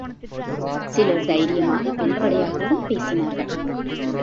சிலர் தைரியமாக வெளிப்படையாகவும் பேசினார்கள்.